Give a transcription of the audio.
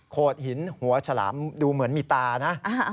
โดดหินหัวฉลามดูเหมือนมีตานะ